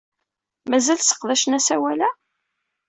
Mazal sseqdacen asawal-a?